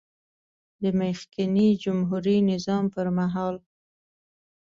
د مخکېني جمهوري نظام پر مهال